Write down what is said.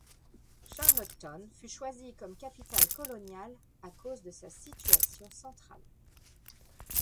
Charlottetown fut choisi comme capitale coloniale à cause de sa situation centrale.